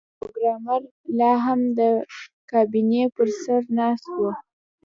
پروګرامر لاهم د کابینې پر سر ناست و